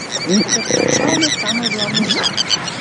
Пӧрт покшакы самой главныйжат.